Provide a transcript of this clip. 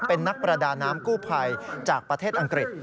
เป็นนักประดาน้ำกู้ภัยจากประเทศอังกฤษ